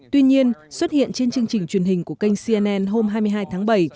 tuy nhiên xuất hiện trên chương trình truyền hình của kênh cnn hôm hai mươi hai tháng bảy